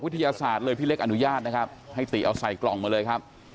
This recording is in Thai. ศาสตร์เลยพี่เล็กอนุญาตนะครับให้ติเอาใส่กล่องมาเลยครับ